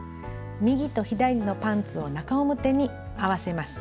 右と左のパンツを中表に合わせます。